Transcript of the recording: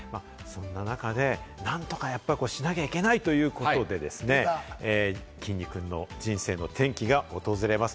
そんな中で何とかしなきゃいけないということでですね、きんに君の人生の転機が訪れます。